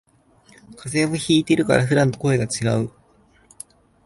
風邪ひいてるから普段と声がちがう